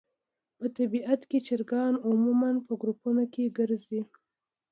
په طبیعت کې چرګان عموماً په ګروپونو کې ګرځي.